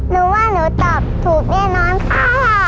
หนูว่าหนูตอบถูกแน่นอนค่ะ